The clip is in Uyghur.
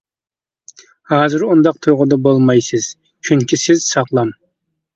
ھازىر ئۇنداق تۇيغۇدا بولمايسىز، چۈنكى سىز ساغلام!